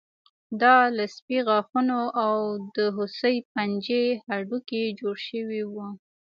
دا له سپي غاښونو او د هوسۍ پنجې هډوکي جوړ شوي وو